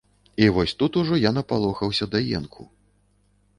І вось тут ужо я напалохаўся да енку.